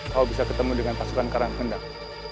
kau bisa ketemu dengan pasukan karangkandang